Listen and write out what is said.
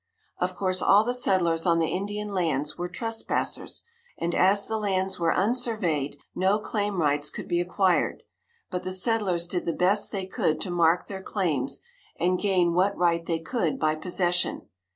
Of course, all the settlers on the Indian lands were trespassers, and as the lands were unsurveyed, no claim rights could be acquired, but the settlers did the best they could to mark their claims, and gain what right they could by possession.